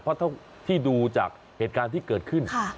เพราะเท่าที่ดูจากเหตุการณ์ที่เกิดขึ้น